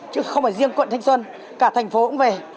chứ không phải riêng quận thanh xuân cả thành phố cũng về